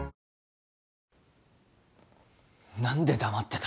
何で黙ってた？